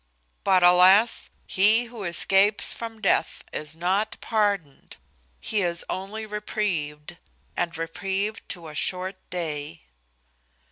But, alas! he who escapes from death is not pardoned; he is only reprieved, and reprieved to a short day.